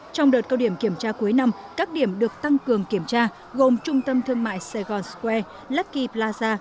trong đợt cao điểm kiểm tra cuối năm các điểm được tăng cường kiểm tra gồm trung tâm thương mại sài gòn square lucky plaza